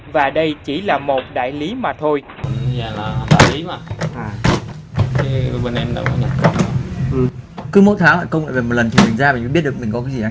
và đây chỉ là một đại lý mà thôi